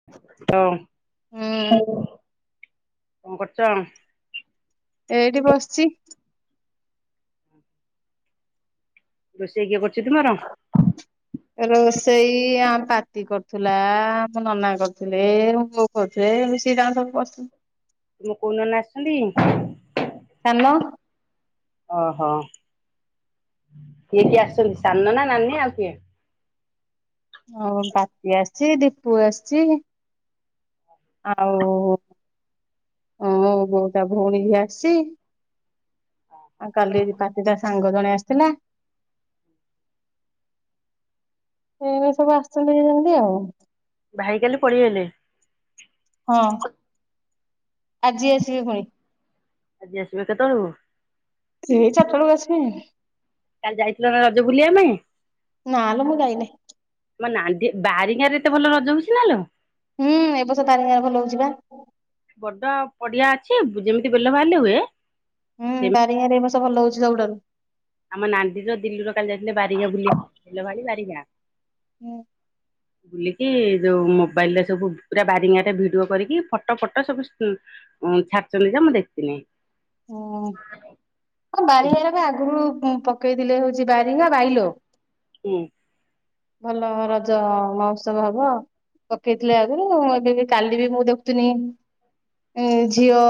ହ ହୁଁ କଣ କରୁଛ। ଏଇଠି ବସିଛି। ରୋଷେଇ କିଏ କରୁଛ ତମର। ରୋଷେଇ ଆମ ପାଟି କରୁଥିଲା ଆମ ନନା କରୁଥିଲେ। କହୁେ ଏ ମିଶି ଜାଣ ସବୁ ବସୁ। ତୁମ କୋଉ ନ ଆସିଛନ୍ତି [inaudible] ହୋଲୋ। ଓହୋ। କିଏ କିଏ ଆସଛନ୍ତି ସାନ ନା ନାନି ଆଉ କିଏ। ହଁ ପାପି ଆସିଛି ଦୀପୁ ଆସିଛି। ଆଉ ହ ବୋଉଟା ଭଉଣୀ ଆସିଛି। ଆଉ କାଲି ଦୀପାତିଟ ସାଙ୍ଗ ଜଣେ ଆସିଥିଲା। ଏଇ ସବୁ ଆସଛନ୍ତି ହେଇଛନ୍ତି ଆଉ [inaudible] ଭାଇ କାଲି ପଳେଇଗଲେ। ହଁ ଆଜି ଆସିବି ଫୁଣୀ। ଆଜି ଆସିବାେ କେତେବେଳକୁ। ସେ ଚଟାବେଳକୁ ଆସିବେ। କାଲି ଯାଇଥିଲ ନା ରଜ ବୁଲିବା ପାଇଁ। ନାଲୋ ମୁଁ ଯାଇନାଇ। ମ ନାନି ବିାଁରେ ଏତେ ଭଲ ରଜ ହଉଛି ନା ଲୋ। ହୁଁ ଏବ ବର୍ଷ ତାରି ଗାଁ ରେ ଭଲ ହଉଛି ବା। ବଡ ପଡିଆ ଅଛି ଯେମିତି ବେଲ ବାହାରିଲେ ହୁଏ। ହୁଁ ସେମି ବାରିଙ୍ଗାରଏ ବସ ଭଲ ହଉଛି ସବୁଠାରୁ। ଆମ ନାଣ୍ଡିର ଦିଲ୍ଲୀରୁ କାଲି ଯାଇଥିଲେ ବାରିଙ୍ଗା ବୁଲିବା କୁ ବେଲ ଭାଳି ବାରିଙ୍ଗା। ହୁଁ [inaudible] ବୁଲିକି ଯୋଉ ମୋବାଇଲ ରେ ସବୁ ପୁରା ବାରିଙ୍ଗ ରେ ଭିଡିଓ କରିକି ଫଟୋ ଫଟୋ ସବୁ ହଁ ଛାଡ଼ିଛନ୍ତି ଯେ ମୁଁ ଦେଖିଥିଲି। ହ। ହଁ ବାରିଗାର ବି ଆଗରୁ ପକେଇଲେ ହଉଛି ବାରିଙ୍ଗା ବାଇଲ [unintelligible] ହୁଁ। ଭଲ ରଜ ମହୋତ୍ସବ ହବ। ପକେଇଥିଲେ ଆଗରୁ ଏବେ କାଲି ବି ମୁଁ ଦେଖୁଥିଲି ଏ ଝିଅ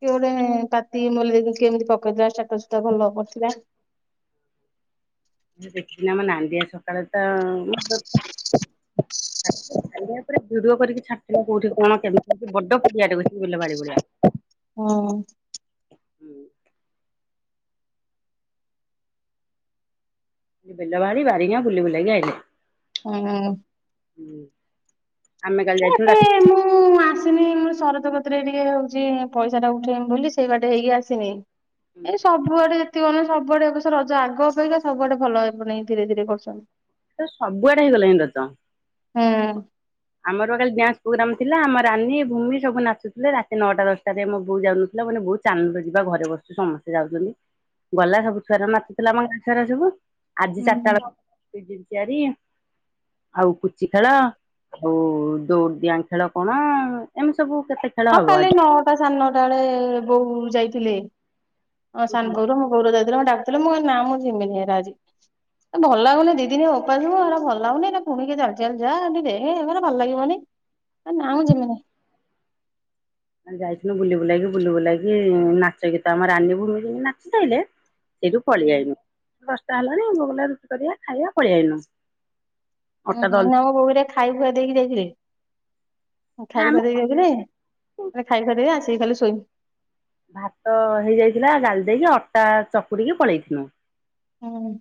କିଏ ପାତି ମ କେମିତି ପକେଇଥିଲା ଟ ସ୍ଟାଟସ ଟା ଭଲ ପଡିଥିଲା। ଦେଖଦିନ ଆମ ନାନ୍ଦୀଆ ସକାଳେ ତ [unintelligible] ଖାଲ ପରେ ଭିଡି କରି ଛାଟିଲ କୋଉଠି କଣ କେମତି ବଡ ପଡିଆ ଟେଛି [unintelligible] [unintelligible] ହଁ ହୁଁ ବିଲବାଡ଼ି ବାରି ବାରିଙ୍ଗ ବୁଲି ବୁଲ ଆଇଲେ ହଁ ହୁଁ ଆମେ କାଲି ଯାଇଥିଲୁ ଁ ମୁଁ ସରତ କତିରେ ଟିକେ ହଉଛି ପଇସାଟା ଉଠେଇମି ବୋଲି ସେଇ ବାଟେ ହେଇକି ଆସିନି। ଏଇ ସବୁଆଡେ ମେ ସବୁଆଡେ ଏବର୍ଷ ରଜ ଆଗ ଅପେଖା ସବୁଆଡେ ଭଲ ହେବ ମାନେ ଧୀରେ ଧୀରେ କରୁଛନ୍ତି। ସବୁଆଡେ ହେଇଗଲାଣି ରଜ। ହୁଁ। ଆମର କାଲି ଡ୍ୟାନ୍ସ ପ୍ରୋଗ୍ରାମ ଥିଲା ଆମ ରାନୀ ଭୂମି ସବୁ ନାଚୁଥିଲେ ରାତି ନଅଟା ଦଶ ରେ ଆମ ବହୁତ ଯାଉନଥିଲା ମାନେ ବହୁତ ଚାନ୍ଦରେ ଯିବା ଘରେ ବସୁ ସମସ୍ତେ ଯାଉଛନ୍ତି। ଗଲା ସବୁ ଛୁଆ ତ ନାଚୁଥିଲା ଆମ ଗାଁ ଛୁଆ ସବୁ ଆଜି ହୁଁ। ଚାରିଟା ବେଳ ିଆରି ଆଉ ପୁଚି ଖେଳ ଆଉ ଦୋଡିଡିିଆ ଖେଳ କଣ ଏମିତି ସବୁ କେତେ ଖେଳ ହଁ ହବ କାଲି ଆଜି। ନଅଟା ସାଢ଼େ ନଅଟା ବେଳେ ବୋଉ ଯାଇଥିଲେ ସାନ ବୋଉ ର ଗୋରୁ ଯାଇଥିଲ ମଁ ଡାିଥିଲ ମୋ ନା ମୁଁ ଯିମିିନି ହେରା ଅଜୀ। ଭଲ ଲାଗୁନି ଦି ଦିନି ଉପାସ ହା ଭଲଲାଗନି ଏଇା ପୁଣିକି ଚାଲି ଚାଲି ଯା ଦେ ଭଲ ଲାଗିବନି। ନା ମୁଁ ଜିବିନି। ଆ ଯାଇଥିଲୁ ବୁଲି ବୁଲେଇକି ବୁଲି ବୁଲକି ନାଚ ଗୀତ ଆମ ରାନୀ ଭୂମି କେ [unintelligible] ନାଚିଥାାଇଲେ। ସେଇଠୁ ପଳେଇଆଇନୁ। ଦଶଟା ହେଲାଣି ବଗ ରୁଟି କରିବା ଖାଇବା ପଳେଇଆଇନୁ। ହୁଁ ହୁଁମ ବୋଉରେ ଖାଇ ଖୁଆ ଦେଇକି ଯକରି ନା ଖାଇକୁୁଆ ଆମେ ଦେଇକି ଯାଇଥିଲେ ମାନ ଖାଇାରିବ ଆସ ଖାଲି ଶୋଇି ଭାତ ହେଇଯାଇଥିଲା ଗାଲି ଦେଇକି ଅଟା ଚକୁଡିକି ପଳେଇଥିଲୁ। ହୁଁ।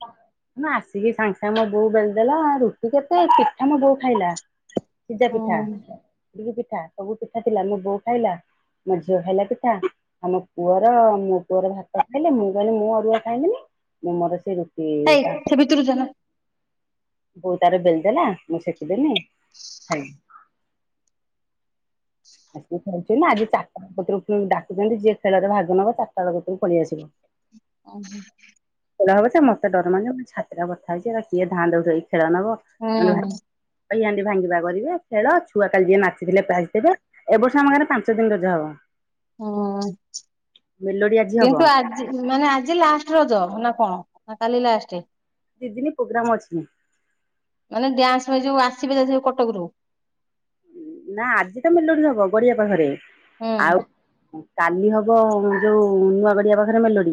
ନା ଆସିକି ସାଙ୍ଗ ଆା ମୋ ବୋଉ ବେଲିଦେଲା ରୁଟି କେତେ ପିଠା ମୋ ବୋଉ ଖାଇଲା। ସିଜା ହୁଁ ପିଠାଇଟିଲି ପିଠା ସବୁ ପିଠା ଥିଲା ମୋ ବୋଉ ଖାଇଲା ମୋ ଝିଅ ଖାଇଲା ପିଠା। ଆମ ପୁଅର ମୋ ପୁଅର ଭାତ ଖାଇଲେ ମୁଁ କହିଲି ମୁଁ ଅରୁଆ ଖାଇଲିଣିି ମୁଁ ମୋର ସେଇ ରୁ ହେଇ ସେଟା ସେ ଭିତରକୁ ଯାନା [unintelligible] ବୋଉ ତାର ବେଲିଦେଲା ମୁଁ ସେଖିଦେଲି ଖାଇଲୁ। ଆସିକ ଖେଳୁଛନ୍ତି ଆଜି ଚାରିଟା ବେ ପତରୁ ଡାକୁଛନ୍ତି ଯି ଖେଳରେ ଭାଗ ନବ ଚାରଟା ବେଳ ପରୁକୁ ଖଳଳି ଆସିବ। ଓହୋ ଖେଳ ହବ ସେ ମତେ ଡର ମାନିବ ମୋ ଛାତତିା ବଥା ହେଇଛି କିଏ ଧଁ ଦଉଇ ଖେଳ ନବ। ହୁଁ ହାଣ୍ଡି ଭାଙ୍ଗିବା କରିବେ ଖେଳ ଛୁଆ କାଲି ଯିଏ ନାଚିଥିଲେ [unintelligible] ଏବ ବର୍ଷ ଆମ ଘରେ ପାଞ୍ଚ ଦିନ ରଜ ହବ। ହୁଁ। ମେଲୋଡି ଆଜି କିନ୍ତୁ ହବ। ଆଜି ମାନେ ଆଜି ଲାଷ୍ଟ ରଜ ନା କଣ ନା କାଲି ଲାଷ୍ଟ? ଦିଇ ଦିନି ପ୍ରୋଗ୍ରାମ୍ ଅଛି। ମାନେ ଡ୍ୟାନ୍ସ ପାଇଁ ଯୋଉ ଆସିବେ କଟକରୁ। ନା ଆଜି ତ ମେଲୋଡି ହବ ଗଡିଆ ପାଖରେ ହୁଁ। ଆଉ କାଲି ହବ ଯୋଉ ନୂଆ ଗଡିଆ ପାଖରେ ମେଲୋଡି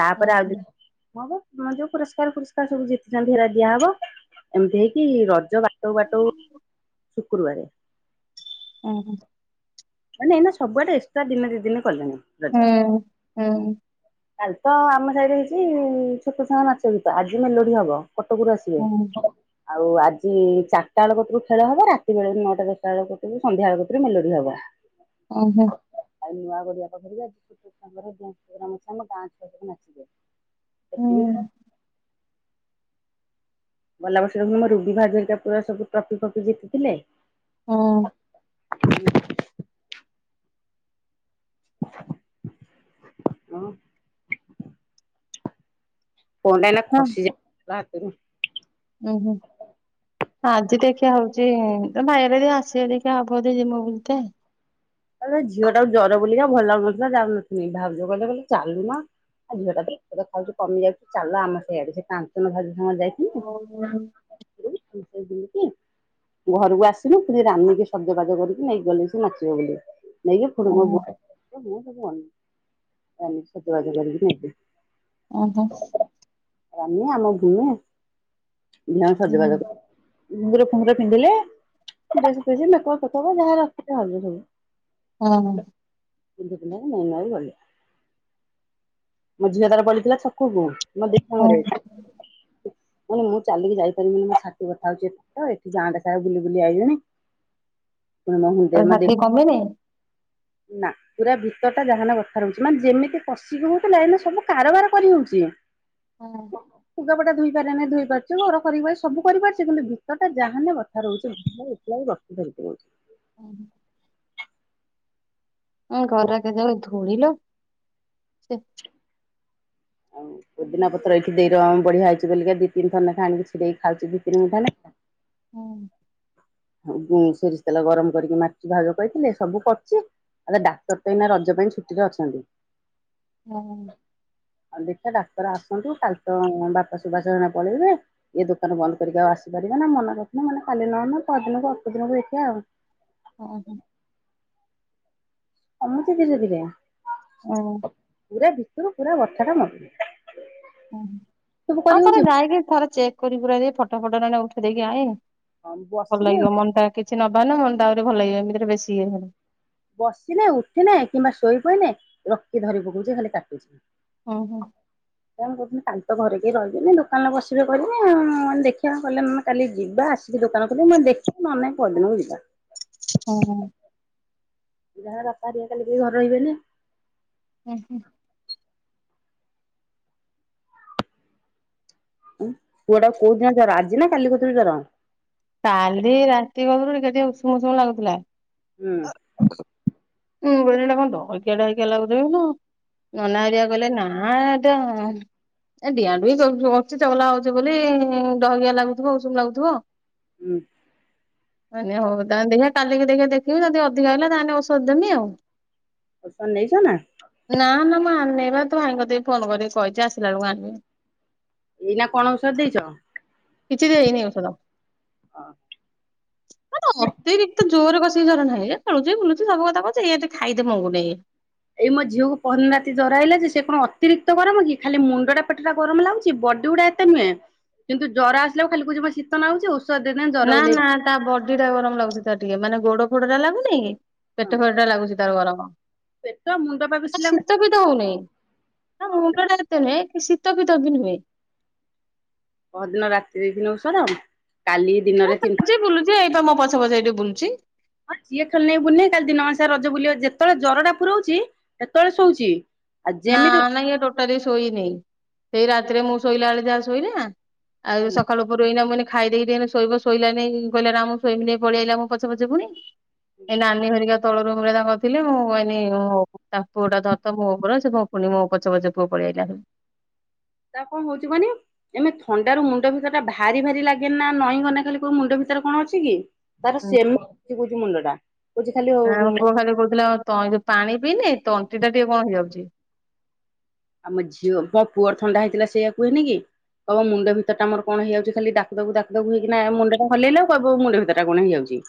ତାପରେ ଆଉ ଓହୋ ଦିନେ ହବା ସେମାନେ ଯୋଉ ପୁରସ୍କାର ପୁରସ୍କାର ସବୁ ଜିତିଛନ୍ତି ହେରା ଦିଆହବ। ଏମତି ହେଇକି ରଜ ବାଟଉ ବାଟଉ ଶୁକ୍ରବାରେ। ଓହୋ। ମାନେ ଏଇନା ସବୁଆଡେ ଏକ୍ସଟ୍ରା ଦିନେ ଦିଇ ଦିନି କଲେଣି। ରଜ ହୁଁ ହୁଁ। କାଲି ତ ଆମ ସାହି ରେ ହେଇଛି ଛୋଟ ଛୁଆ ଙ୍କ ନାଚ ଗୀତ ଆଜି ମେଲୋଡି ହବ। କଟକରୁ ଆସିବେ ହୁଁ ଆଉ ଆଜି ଚାରଟା ବେଳ କତିରୁ ଖେଳ ହବ ରାତି ବେଳ ନଅଟା ଦଶ ସକାଳ କତିରୁ ସନ୍ଧ୍ୟାବେଳକତିରୁ ମେଲୋଡି ହବ। ଓହୋ। ଆଉ ନୂଆ ଗଡିଆ ପଖରିବାେ ଆଜି ସାଙ୍ଗରେ୍ରାମ ଅଛି ଆମ ଗାଁ ଛୁଆ ସବୁ ନାଚିବେ। ହୁଁ ଏତିକି ତ ଗଲା ବର୍ଷ ମୋ ରୁବି ଭାଉଜ ଭାରିକା ପୁରା ସବୁ ଟ୍ରଫି ଫ୍ରଫି ଜିତିଥିଲେ। ହଁ। ଉଁ ଫୋନ୍ ଟା ଏଇନା ଖସି ଯାଇଥିଲା ହାତରୁ। ଉ ହୁଁ। ଆଜି ଦେଖିବା ହଉଛି ତମ ଭାଇ ଅରିକା ଯଦି ଆସିବେ ଦେଖିବା ହବ ଯଦି ଯିିବୁ ବୁଲ ତେ। ଏବେ ଝିଅ ଟାକୁ ଜର ବୁଲିକା ଭଲ ଲାଗୁନଥିଲା ଯାଉନଥିଲି ଭାଉଜ କହିଲେ କ ଚାଲୁ ନା। ଆଉ ଝିଅ ଟା ତ ଔଷଧ ଖାଉଚି କମି ଯାଉଛି ଚାଲ ଆମ ସେଇଆଡେ ସେ କାଞ୍ଚନ ଭାଉଜ ସାଙ୍ଗରେ ଯାଇ ଓହୋ। ସାର [unintelligible] ଦିନ କି? ଘରକୁ ଆସିଲୁ ପୁଣି ରାନିକୁ ସଜବାଜ କରିକି ନେଇକି ଗଲେ ସେ ନାଚିବ ବୋଲି। ନେଇକି ଫୁଣି ମୁଁ ଓହୋ ବୁହାଇକି [unintelligible] ସବୁ ସଜବାଜ କରିକି ନେବି, ଅ ହଁ। ରାନୁ ଆମ ଘୁମେ ବି ସଜବାଜ କର ଘୁଙ୍ଗୁର ଫୁଙ୍ଗୁର ପିନ୍ଧିଲେ, ଡ୍ରେସ ଫ୍ରେସ୍ ମେକପ ଫେକପ ଯାହା ରଖିଥିବେ ସଜ ସବୁ ହଁ। ପିନ୍ଧି ପିନ୍ଧା ନେଇ ନାଇ ଗଲେ ମୋ ଝିଅ ତାର ପଳେଇଥିଲା ଛକକୁ। ମ ଦି ପରେ। ମୁଁ ଚାଲିକି ଯାଇପାରିବିନି ମୋ ଛାତି ବଥା ହଉଛି ତ ଏଠି ଗାଁ ଟା ସାରା ବୁଲି ବୁଲି ଆଇଲିଣି। [inaudible] ତୋ ମୋ ଦେଇ ଛାତି କମିନି? ନା ପୁରା ଭିତର ଟା ଯାହାନ ବଥା ରହୁଛି ମାନେ ଯେମିତି ପଶିକି ହଉଥିଲା ଏଇନେ ସବୁ କାରବାର କରିହଉଛି। ଁ [inaudible] ହଁ। ଲୁଗାପଟା ଧୋଇ ପାରେନି ଧୋଇ ପାରୁଛୁ ଘର କରିପାର ସବୁ କରିପାରୁଛି କିନ୍ତୁ ଭିତରଟା ଯାହାନେ ବଥା ରହୁଛି ଆଉ। ପିଲାଏ ବସି ଧରିଛୁ। ଓ ହଁ। ଏ ଘର କେତେଯୋର ଧୂଳିଲୋ। ସେ ଆଉ ପୋଦିନା ପତ୍ର ଏଠି ଦେଇଦବ ଆମ ବଢିଆ ହେଇଛି ବୋଲି ଲା ଦି ନିତି ଥର ଲେଖା ଆଣିକି ଛିଡେଇ ଖାଉଛି ଦି ତିନି ପାନେ। ହୁଁ। ହ ହୁଁ ସୋରିଷ ତେଲ ଗରମ କରିକି ମାରିଥିଲି ଭାଲ କହିଥିଲେ ସବୁ କରୁଛି। ଆ ରେ ଡାକ୍ତର ତ ଏଇନା ରଜ ପାଇଁ ଛୁଟିରେ ଅଛନ୍ତି। ହୁଁ। ଆଉ ଦେଖିଆ ଡାକ୍ତର ଆସନ୍ତୁ କାଲି ତ ବାପା ସୁବାସ ନନା ପଳେଇବେ। ଇଏ ଦୋକାନ ବନ୍ଦ କରିକି ଆଉ ଆସିପାରିବା ନା ମେନେ ରଖିନ ମାନେ କାଲି ନହେନେ ପରଦିନକୁ ଅପର ଦିନକୁ ଦେଖିବା ଆଉ। ଓହୋ। କମୁଚି ଧୀରେ ଧୀରେ। ଓ ହୋ। ପୁରା ଭିତୁରୁ ପୁରା ଗଛ ଟା ମରିଯିବ। ଆଉ ଥରେ ଯାଇକି ଥରେ ଚେକ୍ କରି କୁରାକି ଫଟ ଫଟ ଏରା ଏଇନା ଉଠେଇ ଦେଇକି ଆଇନି। ଭଲ୍ ବସିନେ ଲାଗିବ ମନ ଟା କିଛି ନବା ନା ମନ ଟା ଆହୁରି ଭଲ୍ ଲାଗିବ ଏମିତିରେ ବେଶୀ ଇଏ ହବ। ବସିନେ ଉଠିନେ କିମ୍ବା ଶୋଇ ପଇନେ ରକି ଧରିପକଉଚି ଯେ ଖାଲି କାଟୁଚି। ଓହୋ। କଣ କହୁଚନ୍ତି କାଲି ତ ଘରେ କେହି ରହିବେନି ଦୋକାନରେ ବସିବେ କରିବେ ଆଉ ମୁ ଦେଖିଆ କଲେ ନନେ କାଲି ଯିବା ଆସିକି ଦୋକାନ ଖୋଲିବ ମୁ କଲି ଦେଖିଆ ନ ହେନେ ନାହିଁ ପଅର ଦିନକୁ ଯିବା। ଓହୋ। ଯାହା ବାପା ହରିକା କାଲିି କେହି ଘରେ ରହିବେନି। ହୁଁ ହୁଁ। ଉଁ ପୁଅ ଟାକୁ କୋଉ ଦିନ ଜର ଆଜି ନା କାଲି କତିରୁ ଜର? କାଲି ରାତି କତୁରୁ ଟିକେ ଟିକେ ଉଷୁମୁ ଉଷୁମୁ ଲାଗୁଥିଲା। ହୁଁଉଁ। ମୁଁ କହିଲି ଏଟା କଣ ଧଲକିଆ ଟା [unintelligible] ନନା ହରିଆ କଇଲେ ନାଁଆଁ ଏଟା। ଏ ଡିଆଁ ଡୁଇଁ କରୁଥିବ ଅଛି ଚଗଲା ହଉଛି ବୋଲି ଡ଼ହକିଆ ନାଗୁଥିବ, ଉଷୁମ୍ ଲାଗୁଥିବ ଆଉ। ହୁଁଉଁ। ମୁ କଇନି ହଉ ତାହେନ ଦେଖିଆ କାଲିକି ଦେଖିଆ ଦେ ଖିବି ଯଦି ଅଧିକ ହେଲା ତାହେନେ ଓଷଦ ଦେମି ଆଉ। ଓସନ୍ ନେଇଛ ନା? ନା ନା ମୁଁ ଆନେଇବା ତୋ ଭାଇଙ୍କ କତିକି ଫୋନ କରିକି କହିଛି ଆସିଲା ବେଳୁକୁ ଆଣିବେ। ଏଇନା କଣ ଓଷଦ ଦେଇଚ? କିଛି ଦେଇନି ଓଷଦ। ହଁ ମାନେ ଅତିରି କ୍ତ ଜୋରେ କଷିକି ଜର ନାହିଁ ଏ ଖେଳୁଛି ବୁଲୁଛି ସବୁ କଥା କରୁଚି ଏୟାଟେ ଖାଇତେ ମଙ୍ଗୁନେଇ ଏ। ଏଇ ମୋ ଝିଅକୁ ପହଦିନ ରାତି ଜର ଆଇଲା ଯେ ସେ କଣ ଅତିରିକ୍ତ ଗରମ କି ଖାଲି ମୁଣ୍ଡଟା ପେଟଟା ଗରମ୍ ଲାଗୁଚି ବଡି ଗୁଡା ଏ ତେ ନୁହେଁ କିନ୍ତୁ ଜର ଆସିଲାକୁ ଖାଲି କୋଉଚି ମତେ ଶୀତ ନାଗୁଚି ଓଷ ନା ନା ତା ବଡି ଟା ଗରମ ଲାଗୁଚି ତାର ଟିକେ ମାନେ ଗୋଡ ଫୋଡ ଟା ଲାଗୁନେଇ କି ହଁ ପେଟ ଫେଟ ଲାଗୁଚି। ତାର ଗରମ। ପେଟ ମୁଣ୍ଡ ପା ତା ବେଶି ଲାଗୁଛି। ଶୀତ ହଉନେଇଁ, ନା ମୁଣ୍ଡ ଟା ଏତେ ନୁହେଁ କି ଶୀତ ଫିତ ବି ନୁହେଁ। ପହର ଦିନ ରାତିରେ ଦେଇଥିନି ଓଷଦ କାଲି ଦିନରେ ତିନି ଏଇଠି ବୁଲୁଚି ଏଇପା ମୋ ପଛେ ପଛେ ଏଇଠି ବୁଲଚି। ହଁ ସିଏ ଖେଲୁନେଇ ବୁଲ୍ ନେଇ କାଲି ଦିନ ମାନ୍ ସେ ରଜ ବୁଲିଅ ଯେତେବେଳେ ଜର ଟା ପୁରୋଉଚି। ସେତେବେଳେ ଶୋଉଛି। ଆଉ ନା ଯେମିତି ନା ଇଏ ଟୋଟାଲି ଶୋଇନି ସେଇ ରାତିରେ ମୁଁ ଶୋଇଲା ବେଳେ ଯାହା ଶୋଇଲାଁ ଆଉ ସଖାଳୁ ପହରୁ ଏଇନା ମୁଁ କଇନି ଖାଇ ଦେଇକି ଟିକେ ହେଲେ ଶୋଇବ ଶୋଇଲା ନେଇଁକି କି କହିଲା ନା ମୁଁ ଶୋଇମି ନେଇ ପଳେଇ ଆଇଲା ମୋ ପଛେ ପଛେ ଫୁଣି। ଏ ନାନୀ ହରିକା ତଳ ରୁମରେ ତାଙ୍କର ଥିଲେ ମୁଁ କଇନି ଉଁ ହଉ ତାଙ୍କ ପୁଅଟା ଧରଥା ମୁଁ ପୁରା ସେ କଁ ପୁନି ମୋ ପଛେ ପଛେ ପୁଅ ପଳିଆଇଲା। ତାର କଁ ହୋଉଚି କନି? ଏମେ ଥଣ୍ଡାରୁ ମୁଣ୍ଡ ଭିତର ଟା ଭାରି ଭାରି ଲାଗେନା, ନଈଁ ଗନେ ଖାଲି କଇବୁ ମୁଣ୍ଡ ଭିତେରେ କଣ ଅଛି କି? ତାର [unintelligible] ମୁଣ୍ଡ ଟା। ନା କୋଉ ଖାଲି କହୁଥିଲା ଆ ତ ଯୋଉ ପାଣି ପିଇନି ତଣ୍ଟି ଟା ଟିକେ କଣ ହେଇଯାଉଛି। ଆମ ଝିଅ ମୋ ପୁଅର ଥଣ୍ଡା ହେଇଥିଲା ସେଇଆ କୁହେନି କି। କହିବ ମୁଣ୍ଡ ଭିତର୍ ଟା ମୋର କଣ ହେଇଯାଉଚି ଖାଲିଡାକୁ ଦାକୁ ହେଇକି ନା ମୁଣ୍ଡ ଟା ହଲେଇଲା କୁ କହିବ ମୋ ମୁଣ୍ଡ ଭିତର୍ ଟା କଣ ହେଇଯାଉଛି।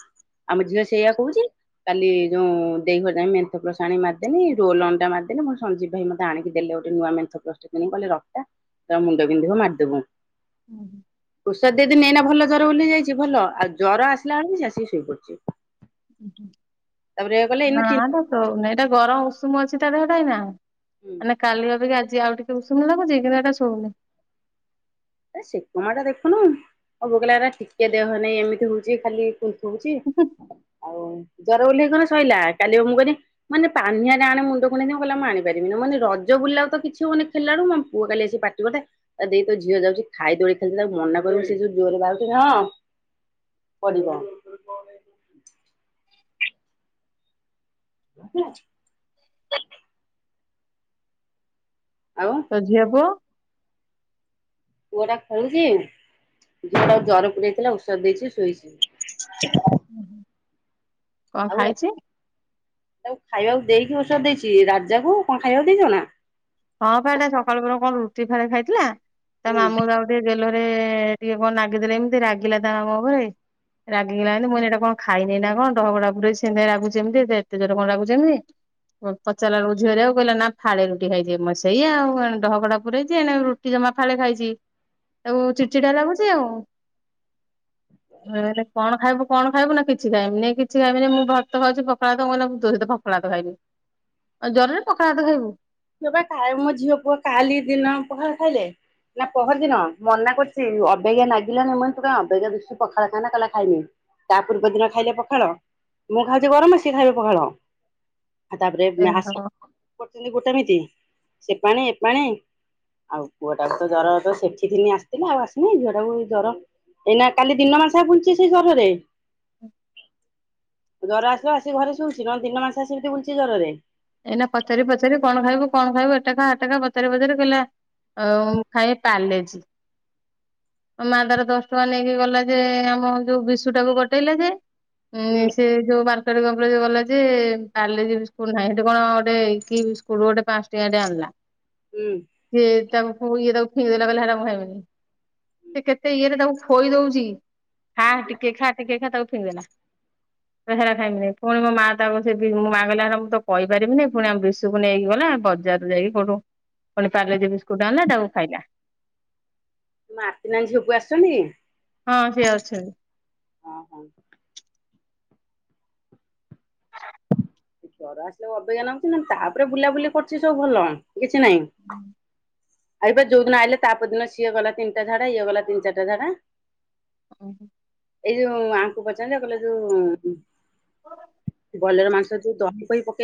ଆମ ଝିଅ ସେଇଆ କହୁଛି। କାଲି ଯୋଉଁ ଦେଇଙ୍କ ଯାଏ ମେନ୍ଥ ପ୍ଲସ୍ ଆଣି ମାର୍ ଦେନି ରୋଲ୍ ଅନ୍ଡା ମାର୍ଦେଲେ ମୋର୍ ସଞ୍ଜୀବ୍ ଭାଇ ମତେ ଆଣିକି ଦେଲେ ଗୋ ଏଣୁ ନୂଆ ମେନ୍ଥ ପ୍ଲସ୍ ଟେ କିଣି ମୁ କହିଲି ରଖ୍ତା ତା ମୁଣ୍ଡ ବିନ୍ଧିବ ମାର୍ଦବୁ। [unintelligible] ଔଷଧ ଦେଇଦି ନେଇନା ଭଲ ଜ୍ୱର ବୁଲି ଯାଇଛି ଭଲ ଆଉ ଜର ଆସିଲା ବେଳ ବି ଚାଷୀ ଶୋଇପଡୁଛି। [unintelligible] ତାପରେ କହିଲେ ଏଇନା ତିନି ନାଟ ସୋନ ଏଇଟା ଗରମ ଉଷୁମ ଅଛି ତା ଦେହଟା ନା ହୁଁ ମାନେ କାଲି ଭା କିି ଆଜି ଆଉ ଟିକ ୁସୁୁ ଯଟା ଶୋଉନି ଏ ସେକୁମା ଟା ଦେଖୁନୁ ମୋ ବଗିଲ ଟିକେ ଦେହ ନାଇଁ ଏମିତି ହଉଛି ଖାଲି ଥଉଛି ଆଉ ଜର ଓହ୍ଲେଇ କଣ ସରିଲା କାଲି ମୁଁ କନି ମାନେ ପାନିଆରେ ଆଣେ ମୁଣ୍ଡକୁଣ୍ଡେଇ କହଲେ ମୁ ଆଣିପାରିବିନ ନା ମାନେ ରଜ ବୁଲାଉ ତ କିଛିବ ମାନେ। ଖଲା ବୁ ମୋ ପୁଅ କାଲି ଆସିି ପାଟିବ ଟା ଦେଇ ତ ଝିଅ ଯାଉଛି ଖାଇ ଦୋଳି ଖାଇଛନ୍ତି ତାକୁ ମନା କରିବି ସେ ଯୋଉ ଜୋରରେ ବାହାରୁଥିଲେ ହଁ ପଡିବ। ଠ ଅଛି [inaudible] ଆଉ? [unintelligible] ପୁଅଟା ଖେଳୁଛି ଯଟା ଜର ପଡାଇଥିଲା ଔଷଧ ଦେଇଛି ଶୋଇଛି। କଣ ଆଉ ଖାଇଛି ତାକୁ ଖାଇବାକୁ ଦେଇକି ଔଷଧ ଦେଇଛି ରାଜାକୁ କଣ ଖାଇବାକୁ ଦେଇଛ ନା? ହଁ ବାଟା ସକାଳୁ ବଳେ କଣ ରୁଟି ଫାରେ ଖାଇଥିଲା ତା ହୁଁ ମାମୁଁ ଯାଉ ଟିକେ ବେଲରେ ଟିକେ କଣ ରାଗିଦେଲେ ଏମିତି ରାଗିଲା ତା ମମ ଉପରେ ରାଗିଗଲାଣି ମୁଁ ଏଇଟା କଣ ଖାଇନି ନା କଣ ଡଗୁଡା ପୁରରେ ସେ ରାଗୁ ଏମିତି ଏତେ ଜୋର କଣ ରାଗୁଛି ଏମତି। ପଚାରା ର ଝିରେ ଆଉ କହିଲା ନା ଫାଡ ରୁଟି ଖାଇଯିବ। ମୁ ସେଇ ଆଉ ଡହଗଡା ପୁରରେଛି ଏ ରୁଟି ଜମା ଫାଳେ ଖାଇଛି। ତା ଚିଚିଟା ଲାଗୁଛି ଆଉ କଣ ଖାଇବ କଣ ଖାଇବ ନା କିଛି ଖାଇବି ନାଇ କିଛି ଖାଇବି ମୁଁ ଭକ୍ ଖାଉଛି ପଖଳା ତ କହିଲ ଦୋଷତ ପଖଳା ତ ଖାଇବି। ଆଉ ଜରରେ ପଖାଲ ଭାତ ଖାଇବୁ? ପାଇଁ କାଇ ମର ଝିଅ ପୁଅ କାଲି ଦିନ ପଖର ଖାଇଲେ ନା ପହରଦିନ ମନା କରୁଛି ଅବେଜ୍ ଲାଗିଲାନି ମୁ ତୁ କଁ ଅବେଜା ଦେଖୁ ପଖାଳ ଖାନା କଲା ଖାଇନି। ତା ପୂର୍ବ ଦିନ ଖାଇଲେ ପଖାଳ ମୁଁ ଖାଉଛି ଗରମ ସିଏ ଖାଇବେ ପଖାଳ। ଆଉ ତାପରେ ଆସ କରୁଛନ୍ତି ଗୋଟେମିତି ସେ ପାଣି ଏ ପାଣି। ଆଉ କୁଅଟାକୁ ତ ଜର ତ ସେଠି ଦିନ ଆସିଥିଲା ଆଉ ଆସିନି ଝିଅ ଟାକୁ ଟାକୁ ଜର ଏଇନା କାଲି ଦିନ ମାସା ବୁଲଛି ସେଇ ଜରରେ। [inaudible] ଜର ଆସିଲ ଆସି ଘରେ ଶୁଛି ନହେଲେ ସେମି ବୁଛି ଜରରେ। ଏଇନା ପଚାରି ପଚି କଣ ଖାଇବୁ କଣ ଖାଇବୁ ଏଟା ଖା ଏଟା ପଚାରି ପଚାରି କହିଲା ଆଉ ଖାଇ ପାଲେଜି। ଆଉ ମା ଦାର ଦଶ ଟଙ୍କା ନେଇକି ଗଲା ଯେ ଆମ ଯୋଉ ବିଷୁ ଟାକୁ ଗଟେଇଲା ଯେ ଉଁ ହୁଁ ସେ ଯୋଉ ବାର୍ଶର ଗ ଯୋଉ ଗଲା ଯେ କାଲି ଯିବି ସ୍କୁଲ ନାହିଁ କଣ ଗୋଇକ ସ୍କୁଲ ଗୋଟେ ପାଞ୍ଚଟେ ଆଣିଲା ହୁଁ। ସେଏ ତାକୁ ଇଏ ତାକୁ ଫିଙ୍ଗଦେଲା ବଲେ ହେ ମୁଁ ହେବିନି। ସେ କେତେ ଇଏରେ ତାକୁ ଖୋଇ ଦଉଛି ଖା ଟିକେ ଖା ଟିକେ ଖା ତାକୁ ଫିଙ୍ଗି ଦେଲା। କଇଲା ହେରା ଖାଇମିନେଇ ପୁଣି ମୋ ମାଆ ତାକୁ ସେ ମୋ କହିଲା ହେରା ମୁଁ ତ କହିପାରିବିିମିନେଇ ପୁଣି ଆମ ବିଷୁକୁ ନେଇକି ଗଲା ବଜାରୁ ଯାଇକି କୋଉଠୁ ପୁଣି ପର୍ଲେଜି ବିସ୍କୁଟ ଆଣଲା ତାକୁ ଖାଇଲା। ତୁମ ଆତିନା ଝିଅକୁ ଆସୁନି? [unintelligible] ହଁ ସେଏ ଅଛନ୍ତି। ହଁ ହଁ। ଜର ଆସିଲେ ଅବାଗିଆ ଲାଗୁଚି ନହେଲେ ତାପରେ ବୁଲାବୁଲି କରୁଛି ସବୁ ଭଲ। କିଛି ନାଇଁ। ଏଇ ପା ଯୋଉଦିନ ଆଇଲେ ତା ପରଦିନ ସିଏ ଗଲା ତିନଟା ଝାଡ଼ା ଇଏ ଗଲା ତିିନି ଚାରଟା ଝାଡ଼ା। ଓହୋ। ଏଇ ଯୋଉ ଆଙ୍କୁ ପଚାରନି ଜେ କହିଲେ ଯୋଉ ବଲର ମାଂସ ଯୋଉ ଦହି ଫଇ ପକେଇ